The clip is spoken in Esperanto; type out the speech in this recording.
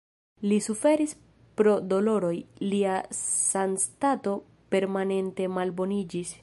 Li suferis pro doloroj, lia sanstato permanente malboniĝis.